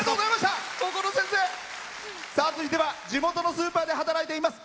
続いては地元のスーパーで働いています。